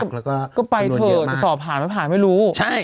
แล้วก็ไปเถอะจะตอบภาพหรือไม่ภาพไม่รู้